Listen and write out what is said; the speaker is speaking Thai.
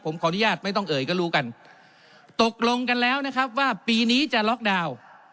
ผมขออนุญาตไม่ต้องเอ่ยก็รู้กันตกลงกันแล้วนะครับว่าปีนี้จะล็อกดาวน์